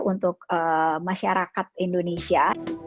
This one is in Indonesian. untuk masyarakat indonesia